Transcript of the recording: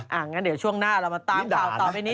อย่างนั้นเดี๋ยวช่วงหน้าเรามาตามข่าวต่อไปนี้